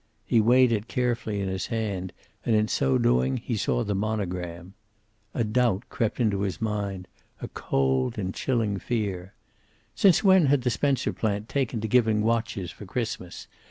He weighed it carefully in his hand, and in so doing saw the monogram. A doubt crept into his mind, a cold and chilling fear. Since when had the Spencer plant taken to giving watches for Christmas?